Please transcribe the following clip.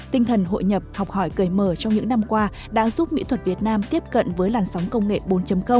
tinh thần hội nhập học hỏi cười mờ trong những năm qua đã giúp mỹ thuật việt nam tiếp cận với làn sóng công nghệ bốn